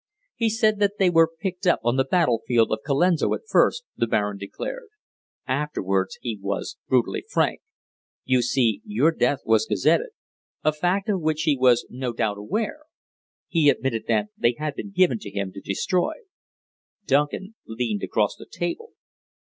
"He said that they were picked up on the battlefield of Colenso at first," the Baron declared. "Afterwards he was brutally frank. You see your death was gazetted, a fact of which he was no doubt aware. He admitted that they had been given to him to destroy." Duncan leaned across the table.